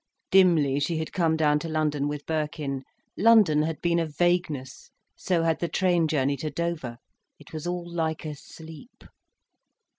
Dimly she had come down to London with Birkin, London had been a vagueness, so had the train journey to Dover. It was all like a sleep.